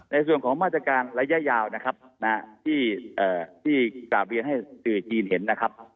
ในส่วนของมาตรการระยะยาวนะครับที่กราบเรียนให้สื่อจีนเห็นนะครับ